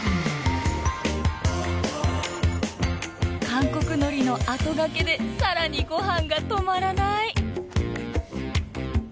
韓国のりのあとがけでさらにご飯が止まらない！